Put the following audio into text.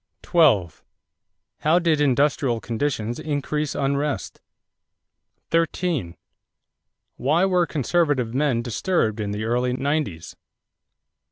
12. How did industrial conditions increase unrest? 13. Why were conservative men disturbed in the early nineties?